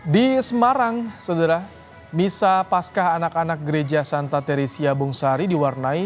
di semarang saudara misa pasca anak anak gereja santa teresia bungsari diwarnai